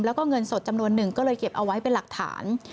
แล้วก็เงินสดจำนวนหนึ่งก็เลยเก็บเอาไว้เป็นหลักฐาน